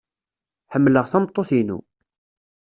Ḥemmleɣ tameṭṭut-inu.